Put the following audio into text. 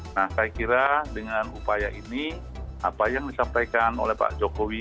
nah saya kira dengan upaya ini apa yang disampaikan oleh pak jokowi